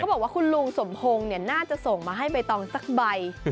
บอกว่าคุณลุงสมพงศ์น่าจะส่งมาให้ใบตองสักใบ